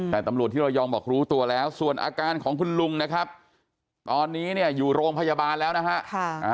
แต่ตำรวจที่ระยองบอกรู้ตัวแล้วส่วนอาการของคุณลุงนะครับตอนนี้เนี่ยอยู่โรงพยาบาลแล้วนะฮะ